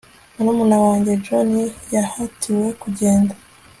Murumuna wanjye John yahatiwe kugenda